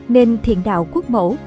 nên thiền đạo quốc mẫu